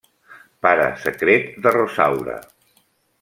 Pare secret de Rosaura.